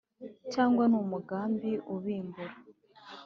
cyangwa ni umugambi ubimbura